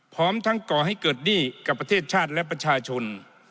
พร้อมทั้งก่อให้เกิดหนี้กับประเทศชาติและประชาชน